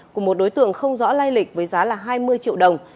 của một đối tượng không rõ lai lịch với giá là hai mươi triệu đồng